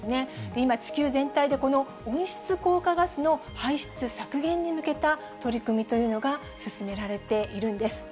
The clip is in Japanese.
今、地球全体でこの温室効果ガスの排出削減に向けた取り組みというのが進められているんです。